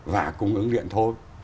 và cung ứng điện thôi